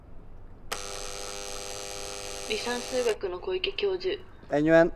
離散数学の小池教授